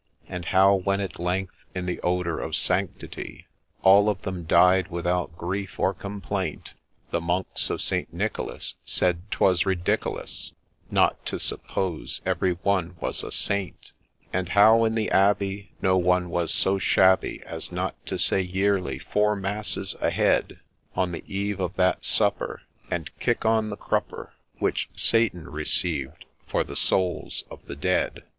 And how, when at length, in the odour of sanctity, All of them died without grief or complaint ; The Monks of St. Nicholas said 'twas ridiculous Not to suppose every one was a Saint. And how, in the Abbey, no one was so shabby As not to say yearly four masses a head, On the eve of that supper, and kick on the crupper Which Satan received, for the souls of the dead